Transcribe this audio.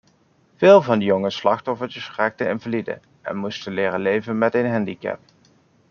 Veel van die jonge slachtoffertjes raken invalide en moeten leren leven met een handicap.